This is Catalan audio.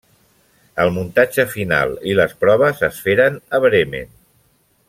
El muntatge final i les proves es feren a Bremen.